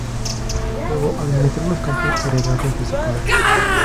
Luego administró los campos heredados de su padre.